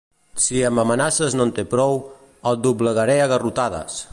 Si amb amenaces no en té prou, el doblegaré a garrotades!